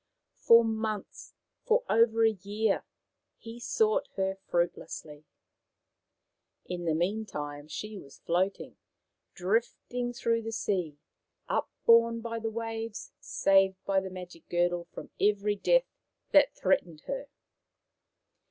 For months, for over a year, he sought her fruitlessly. In the meantime she was floating, drifting through the sea, upborne by the waves, saved by the magic girdle from every death that threatened her.